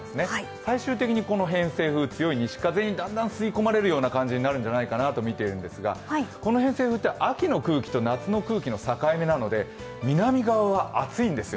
最終的に偏西風、強い西風にだんだん吸い込まれる感じになるんじゃないかと見ているんですがこの偏西風って、秋の空気と夏の空気の境目なので南側は暑いんですよ。